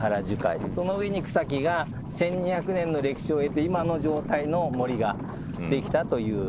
その上に草木が１，２００年の歴史を経て今の状態の森ができたという。